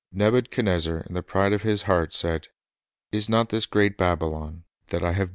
Nebuchadnezzar in the pride of his heart said: "Is not this great Babylon, that I have built t Prov.